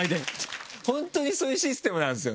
本当にそういうシステムなんですよね。